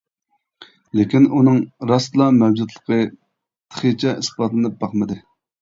لېكىن ئۇنىڭ راستلا مەۋجۇتلۇقى تېخىچە ئىسپاتلىنىپ باقمىدى.